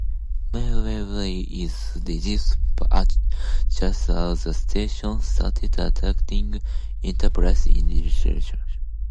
Mayweather is rescued just as the station starts attacking "Enterprise" in retaliation.